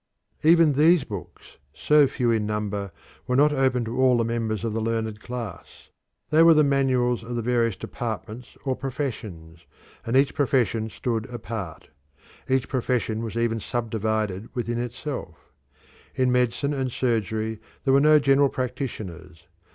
Even these books, so few in number, were not open to all the members of the learned class. They were the manuals of the various departments or professions, and each profession stood apart; each profession was even sub divided within itself. In medicine and surgery there were no general practitioners.